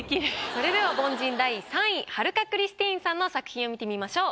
それでは凡人第３位春香クリスティーンさんの作品を見てみましょう。